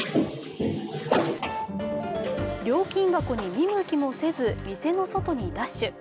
料金箱に見向きもせず店の外にダッシュ。